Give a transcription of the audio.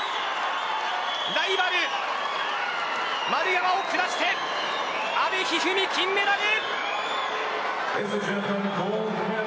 ライバル丸山を下して阿部一二三、金メダル。